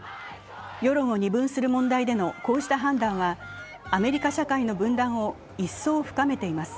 世論を二分する問題でのこうした判断はアメリカ社会の分断を一層深めています。